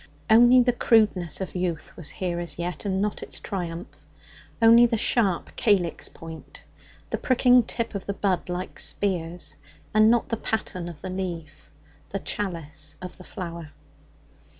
Only the crudeness of youth was here as yet, and not its triumph only the sharp calyx point, the pricking tip of the bud, like spears, and not the paten of the leaf, the chalice of the flower.